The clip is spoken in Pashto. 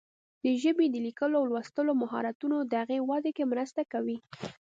د ژبې د لیکلو او لوستلو مهارتونه د هغې وده کې مرسته کوي.